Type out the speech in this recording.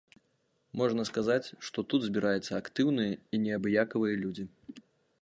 Можна сказаць, што тут збіраюцца актыўныя і неабыякавыя людзі.